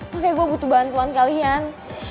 makanya gue butuh bantuan kalian